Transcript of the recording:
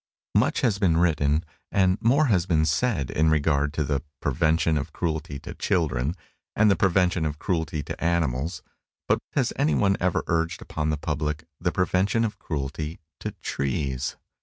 Much has been written, and more has been said, in regard to the "prevention of cruelty to children," and the "prevention of cruelty to animals;" but has anyone ever urged upon the public the prevention of cruelty to trees?